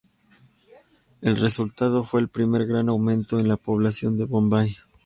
El resultado fue el primer gran aumento en la población de Bombay.